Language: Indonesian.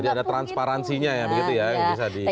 jadi ada transparansinya